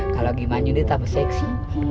kalau gimanya ini tapi seksi